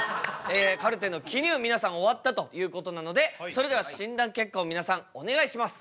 カルテの記入皆さん終わったということなのでそれでは診断結果を皆さんお願いします。